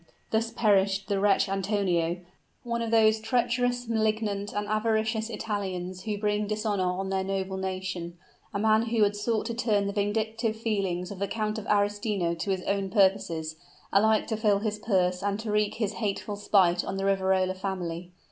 Thus perished the wretch Antonio one of those treacherous, malignant, and avaricious Italians who bring dishonor on their noble nation, a man who had sought to turn the vindictive feelings of the Count of Arestino to his own purposes, alike to fill his purse and to wreak his hateful spite on the Riverola family!